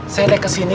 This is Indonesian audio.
saya naik kesini